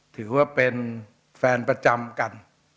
ถือว่าเป็นแฟนประจำกัน